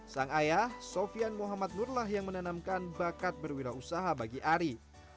sang ayah sofian muhammad nurlah yang menanamkan bakat berwirausaha bagi ari